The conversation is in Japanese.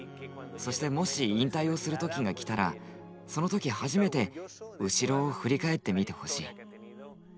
そしてもし引退をする時が来たらその時初めて後ろを振り返って見てほしい。